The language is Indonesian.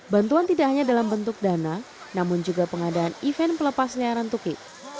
bantuan tidak hanya dalam bentuk dana namun juga pengadaan event pelepas liaran tukik